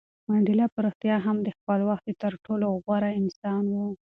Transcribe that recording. منډېلا په رښتیا هم د خپل وخت تر ټولو غوره انسان و.